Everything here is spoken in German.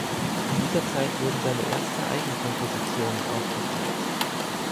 In dieser Zeit wurden seine ersten Eigenkompositionen aufgeführt.